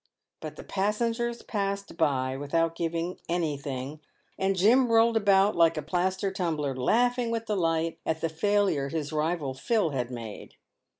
But the passengers passed by without giving anything, and Jim rolled about like a plaster tumbler, laughing with delight at the failure his rival Phil had made.